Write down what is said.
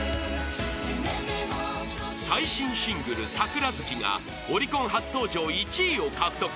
［最新シングル『桜月』がオリコン初登場１位を獲得］